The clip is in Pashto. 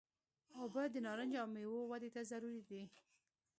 اوبه د نارنجو او میوو ودې ته ضروري دي.